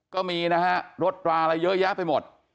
ก็มีนะฮะรถราอะไรเยอะแยะไปหมด